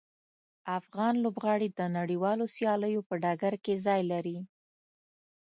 افغان لوبغاړي د نړیوالو سیالیو په ډګر کې ځای لري.